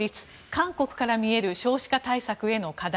韓国から見える少子化対策への課題。